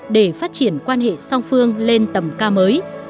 để phát triển quan hệ song phương lên tầm cao mới